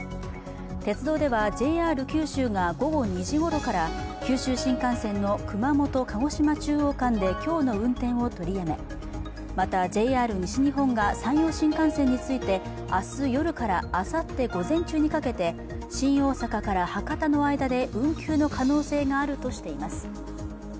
鉄道ではＪＲ九州が午後２時ごろから九州新幹線の熊本−鹿児島中央間で今日の運転を取りやめ、また、ＪＲ西日本が山陽新幹線について明日夜から、あさって午前中にかけて新大阪−博多で運休の可能性があるとしています。